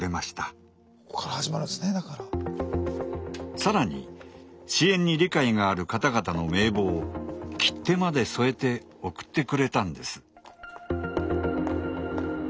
さらに支援に理解がある方々の名簿を切手まで添えて送ってくれたんです。